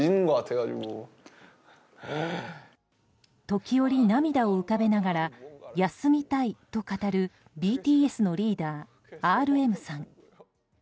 時折、涙を浮かべながら休みたいと語るＢＴＳのリーダーＲＭさん。